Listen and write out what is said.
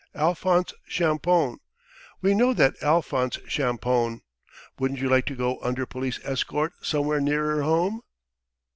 Alphonse Champoun. We know that Alphonse Champoun. Wouldn't you like to go under police escort somewhere nearer home!"